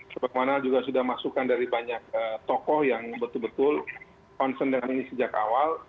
sebab mana juga sudah masukkan dari banyak tokoh yang betul betul konsen dengan ini sejak awal